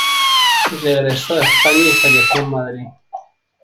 Regresó a España y falleció en Madrid.